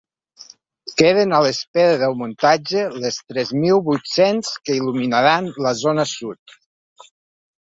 Queden a l’espera del muntatge les tres mil vuit-cents que il·luminaran la zona sud.